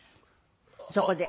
そこで。